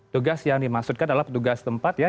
tugas yang dimaksudkan adalah petugas tempat ya